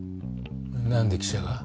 何で記者が？